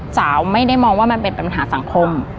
สาวไม่ได้มองว่ามันเป็นปัญหาสังคม